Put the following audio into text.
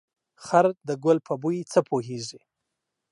خر ده ګل په بوی څه پوهيږي.